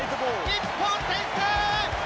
日本先制。